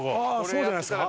そうじゃないですか？